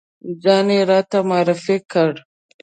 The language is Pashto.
ځان یې راته معرفی کړ.